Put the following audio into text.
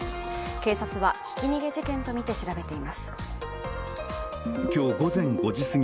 警察はひき逃げ事件とみて調べています。